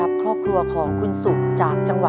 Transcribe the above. ผมคิดว่าที่คนดูทำอะไรนะครับ